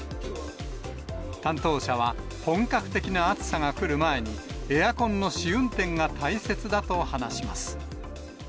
担当者は、本格的な暑さが来る前に、エアコンの試運転が大切だと話します。